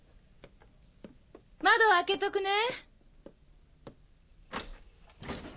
窓を開けとくね。